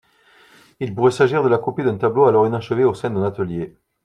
Il pourrait s'agir de la copie d'un tableau alors inachevé au sein d'un atelier.